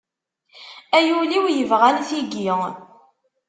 Ay ul-iw yebɣan tigi.